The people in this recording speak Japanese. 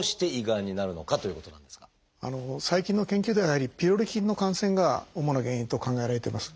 最近の研究ではピロリ菌の感染が主な原因と考えられています。